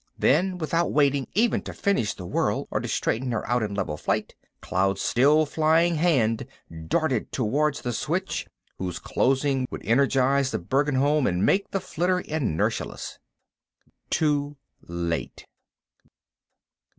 Then, without waiting even to finish the whirl or to straighten her out in level flight, Cloud's still flying hand darted toward the switch whose closing would energize the Bergenholm and make the flitter inertialess. Too late.